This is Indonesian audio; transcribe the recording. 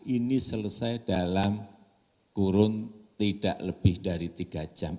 ini selesai dalam kurun tidak lebih dari tiga jam